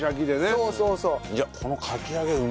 そうそうそう！